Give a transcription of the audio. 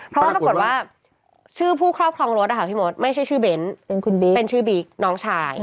เพราะว่าปรากฏว่าชื่อผู้ครอบครองรถนะคะพี่มดไม่ใช่ชื่อเบ้นเป็นชื่อบิ๊กน้องชาย